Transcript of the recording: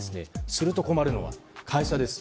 すると困るのが会社です。